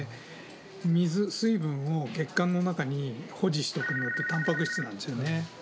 水、水分を血管の中に保持しとくのってたんぱく質なんですよね。